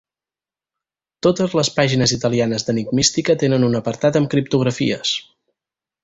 Totes les pàgines italianes d'enigmística tenen un apartat amb criptografies.